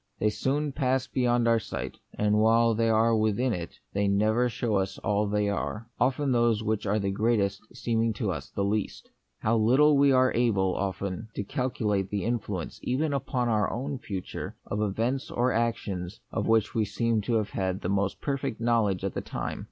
They soon pass beyond our sight, and while they are within it they never show us all they are, often those which are the greatest seeming to us the least. How little we are able, often, to calculate the influence even upon our own future of events \ or actions of which we seem to have the most perfect knowledge at the time.